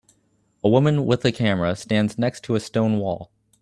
A woman with a camera stands next to a stone wall